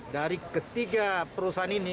dari ketiga perusahaan ini